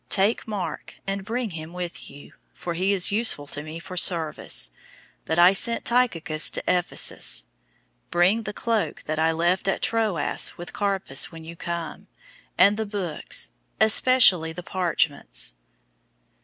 Take Mark, and bring him with you, for he is useful to me for service. 004:012 But I sent Tychicus to Ephesus. 004:013 Bring the cloak that I left at Troas with Carpus when you come, and the books, especially the parchments.